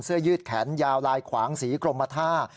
เสื้อยืดแขนยาวลายขวางสีกลมมาท่า